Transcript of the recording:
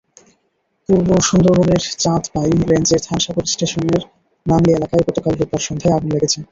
পুলিশের প্রাথমিক ধারণা, নিহত ব্যক্তি এবং সন্দেহভাজন হত্যাকারী একে অপরের পরিচিত ছিলেন।